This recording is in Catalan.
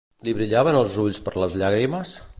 Li brillaven els ulls per les llàgrimes?